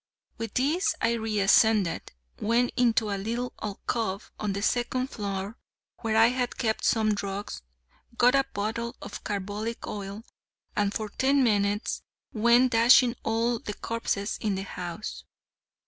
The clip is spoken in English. With these I re ascended, went into a little alcove on the second floor where I had kept some drugs, got a bottle of carbolic oil, and for ten minutes went dashing all the corpses in the house.